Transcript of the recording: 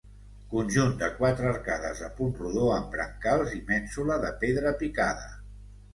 Conjunt de quatre arcades de punt rodó amb brancals i mènsula de pedra picada.